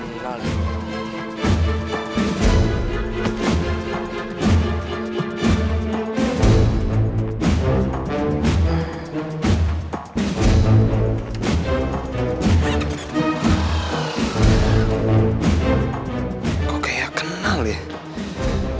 reva kasihan banget